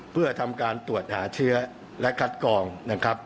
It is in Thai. เพื่อทำการตรวจหาเชื้อและคัดกองนะครับ